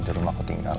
di rumah aku tinggal